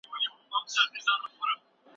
دیني اختلاف باید شخړه رامنځته نه کړي.